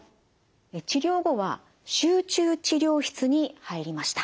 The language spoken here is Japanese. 治療後は集中治療室に入りました。